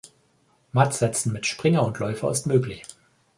Mattsetzen mit Springer und Läufer ist möglich.